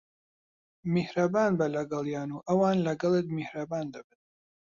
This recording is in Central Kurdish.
میھرەبان بە لەگەڵیان، و ئەوان لەگەڵت میھرەبان دەبن.